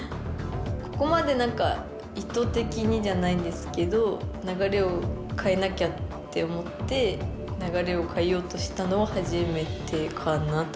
ここまで何か意図的にじゃないんですけど流れを変えなきゃって思って流れを変えようとしたのは初めてかな